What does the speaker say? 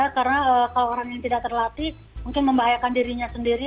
karena kalau orang yang tidak terlatih mungkin membahayakan dirinya sendiri